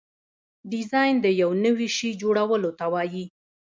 ډیزاین د یو نوي شي جوړولو ته وایي.